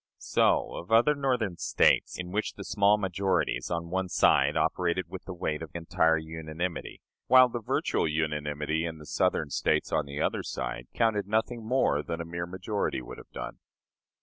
So of other Northern States, in which the small majorities on one side operated with the weight of entire unanimity, while the virtual unanimity in the Southern States, on the other side, counted nothing more than a mere majority would have done.